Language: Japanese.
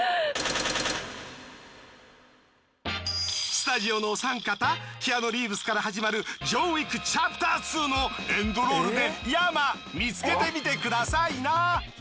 スタジオのお三方キアヌ・リーブスから始まる『ジョン・ウィック：チャプター２』のエンドロールで「ＹＡＭＡ」見つけてみてくださいな。